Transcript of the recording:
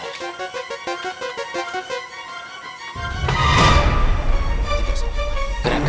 tidak ada makannya